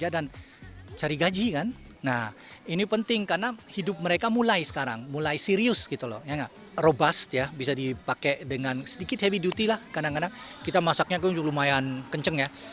duti lah kadang kadang kita masaknya juga lumayan kenceng ya